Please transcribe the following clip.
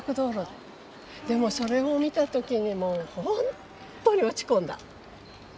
でもそれを見た時にもう本当に落ち込んだ。